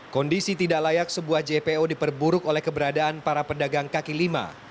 kondisi tidak layak sebuah jpo diperburuk oleh keberadaan para pedagang kaki lima